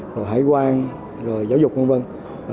rồi hải quan rồi giáo dục v v